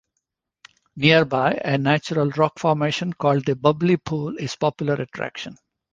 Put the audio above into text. Nearby, a natural rock formation called the bubbly pool is popular attraction.